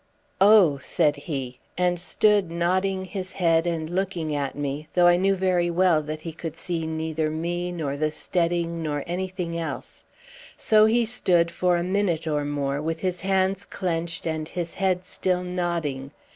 "Oh!" said he, and stood nodding his head and looking at me, though I knew very well that he could neither see me, nor the steading, nor anything else. So he stood for a minute or more, with his hands clenched and his head still nodding.